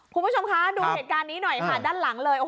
คุณผู้ชมคะดูเหตุการณ์นี้หน่อยค่ะด้านหลังเลย